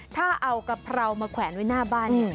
ถ้าเอากะเพรามาแขวนไว้หน้าบ้านเนี่ย